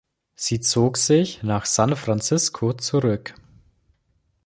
Sie zog sich nach San Francisco zurück.